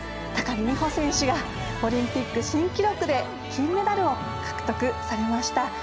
高木美帆選手がオリンピック新記録で金メダルを獲得されました。